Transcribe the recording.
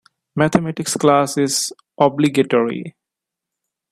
Mathematics class is obligatory.